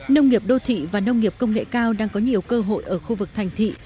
nông nghiệp đô thị và nông nghiệp công nghệ cao đang có nhiều cơ hội ở khu vực thành thị